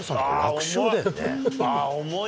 ああ、重い。